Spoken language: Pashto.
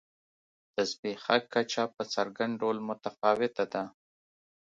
د زبېښاک کچه په څرګند ډول متفاوته ده.